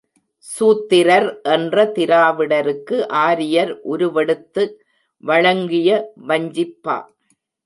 சூத்திரர் என்ற திராவிடருக்கு ஆரியர் உருவெடுத்து வழங்கிய வஞ்சிப்பா!